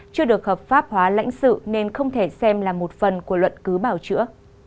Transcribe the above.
chưa được hợp pháp hóa lãnh sự nên không thể xem là một phần của luận cứ bảo chữa